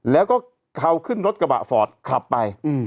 แล้วก็เขาขึ้นรถกระบะฟอร์ดขับไป